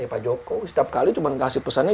ya pak joko setiap kali cuma kasih pesannya